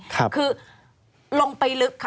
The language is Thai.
คือลงไปลึก